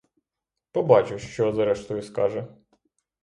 Побачу, що зрештою скаже.